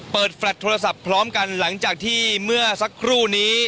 แฟลต์โทรศัพท์พร้อมกันหลังจากที่เมื่อสักครู่นี้